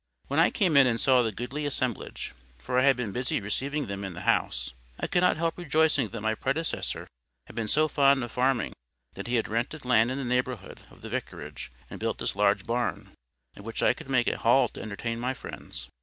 When I came in and saw the goodly assemblage, for I had been busy receiving them in the house, I could not help rejoicing that my predecessor had been so fond of farming that he had rented land in the neighbourhood of the vicarage, and built this large barn, of which I could make a hall to entertain my friends.